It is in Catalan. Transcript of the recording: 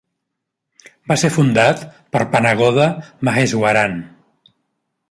Va ser fundat per Panagoda Maheswaran.